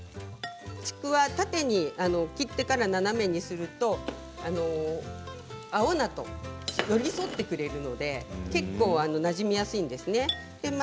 縦に切ってから斜めにすると青菜と寄り添ってくれるので結構なじみやすいんですね。